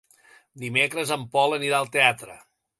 Dimecres en Pol anirà al teatre.